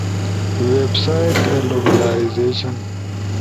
ویب سائٹ لوکلائزیشن